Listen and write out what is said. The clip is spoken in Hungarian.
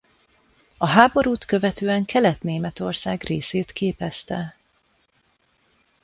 A háborút követően Kelet-Németország részét képezte.